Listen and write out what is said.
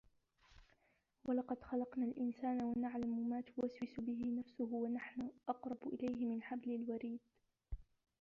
وَلَقَد خَلَقنَا الإِنسانَ وَنَعلَمُ ما تُوَسوِسُ بِهِ نَفسُهُ وَنَحنُ أَقرَبُ إِلَيهِ مِن حَبلِ الوَريدِ